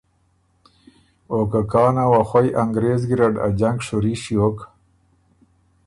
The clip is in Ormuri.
او که کانه وه خوئ انګرېز ګیرډ ا جنګ شُوري ݭیوک،